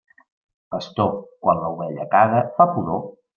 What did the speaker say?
Pastor, quan l'ovella caga fa pudor.